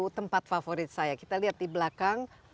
tempat favorit saya kita lihat di belakang